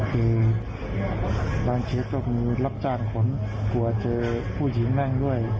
คือบางเชฟต้องมีรับจ้านขนกลัวเจอผู้หญิงแม่งด้วย